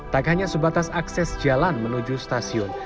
tak hanya sebatas akses jalan menuju stasiun